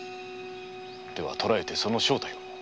では捕えてその正体を。